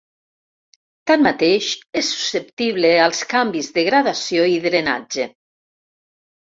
Tanmateix, és susceptible als canvis de gradació i drenatge.